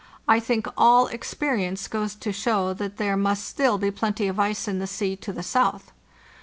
I think all experience goes to show that there must still be plenty of ice in the sea to the south.